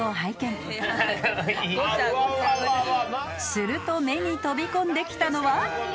［すると目に飛び込んできたのは］